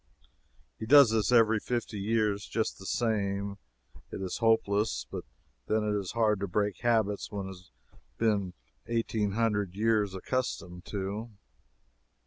He does this every fifty years, just the same. It is hopeless, but then it is hard to break habits one has been eighteen hundred years accustomed to.